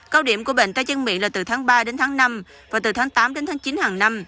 cao điểm của bệnh tay chân miệng là từ tháng ba đến tháng năm và từ tháng tám đến tháng chín hàng năm